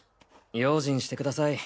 用心してください。